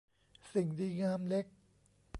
สิ่งดีงามเล็ก